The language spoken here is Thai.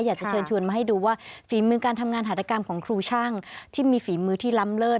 อยากจะเชิญชวนมาให้ดูว่าฝีมือการทำงานหัตกรรมของครูช่างที่มีฝีมือที่ล้ำเลิศ